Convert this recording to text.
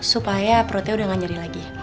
supaya perutnya udah gak nyeri lagi